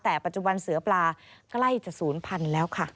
แต่ปัจจุบันเสื้อปลาใกล้จะ๐๐๐๐แล้วค่ะ